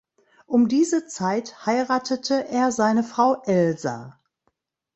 Um diese Zeit heiratete er seine Frau Elsa.